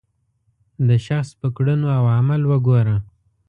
د شخص په کړنو او عمل وګوره.